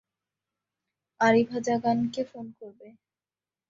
আরিভাজাগানকে phone করবে।